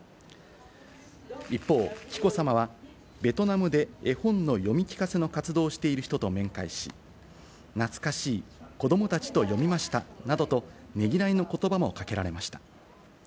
一方、紀子さまはベトナムで絵本の読み聞かせの活動をしている人と面会し、懐かしい、子供たちと読みましたなどと、ねぎらいの言葉もかけられました。